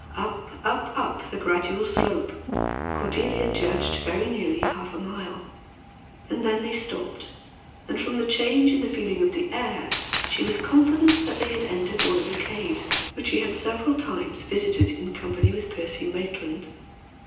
Up up up, the gradual slope, Cordelia judged, very nearly half a mile and then they stopped; and from the change in the feeling of the air she was confident they had entered one of the caves, which she had several times visited in company with Percy Maitland.